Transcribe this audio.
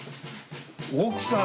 奥さん。